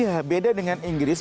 iya beda dengan inggris